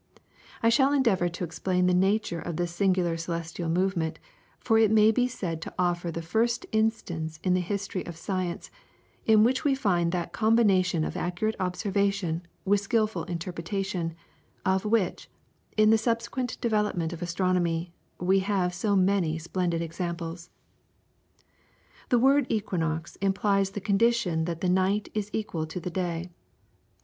I shall endeavour to explain the nature of this singular celestial movement, for it may be said to offer the first instance in the history of science in which we find that combination of accurate observation with skilful interpretation, of which, in the subsequent development of astronomy, we have so many splendid examples. The word equinox implies the condition that the night is equal to the day.